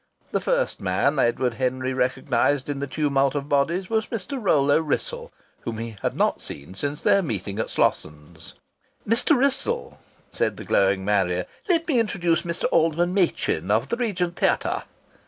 The first man Edward Henry recognized in the tumult of bodies was Mr. Rollo Wrissell, whom he had not seen since their meeting at Slossons. "Mr. Wrissell," said the glowing Marrier, "let me introduce Mr. Alderman Machin, of the Regent Theatah."